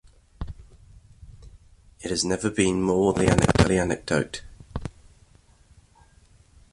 It has never been more than a family anecdote.